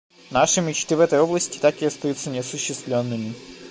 Наши мечты в этой области так и остаются неосуществленными.